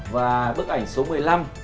và bức ảnh số một mươi năm